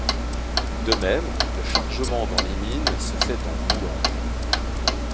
De même, le chargement dans les mines se fait en roulant.